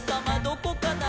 どこかな？」